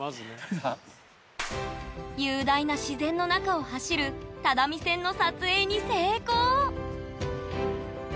雄大な自然の中を走る只見線の撮影に成功！